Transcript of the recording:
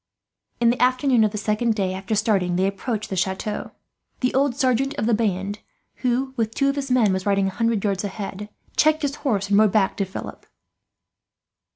In the afternoon of the second day after starting, they approached the chateau. The old sergeant of the band who, with two of his men, was riding a hundred yards ahead, checked his horse and rode back to Philip.